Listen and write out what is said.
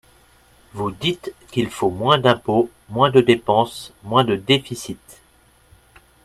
Vous dites qu’il faut moins d’impôts, moins de dépenses, moins de déficit.